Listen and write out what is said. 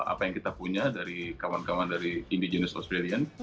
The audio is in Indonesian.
apa yang kita punya dari kawan kawan dari indigenous australiance